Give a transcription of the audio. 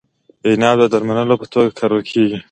عناب د درملو په توګه کارول کیږي.